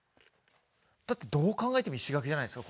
だってどう考えても石垣じゃないですか？